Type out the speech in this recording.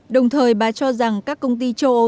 đồng thời bà cho rằng các công ty châu âu